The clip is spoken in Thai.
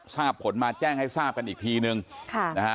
ทราบผลมาแจ้งให้ทราบกันอีกทีนึงค่ะนะฮะ